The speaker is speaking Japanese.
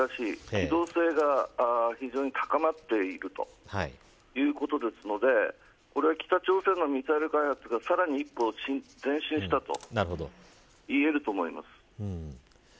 機動性が非常に高まっているということですのでこれは、北朝鮮のミサイル開発がさらに一歩前進したと言えると思います。